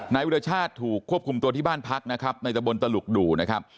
นายวิรชาติถูกควบคุมตัวที่บ้านพักนะครับในตะบนตลุกดูนะครับ